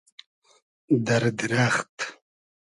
دئر دیرئخت